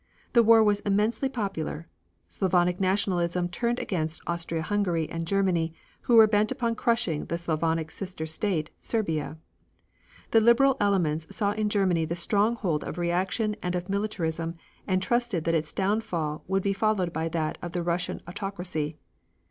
The war was immensely popular. Slavonic nationalism turned against Austria Hungary and Germany who were bent upon crushing the Slavonic sister state, Serbia. The Liberal elements saw in Germany the stronghold of reaction and of militarism, and trusted that its downfall would be followed by that of Russian autocracy.